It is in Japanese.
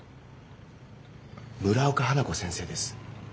村岡花子先生です。